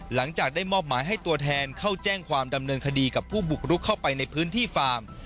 หลังจากได้มอบหมายให้ตัวแทนเข้าแจ้งความดำเนินคดีกับผู้บุกรุกเข้าไปในพื้นที่ฟาร์ม